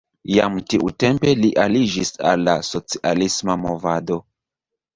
Jam tiutempe li aliĝis al la socialisma movado.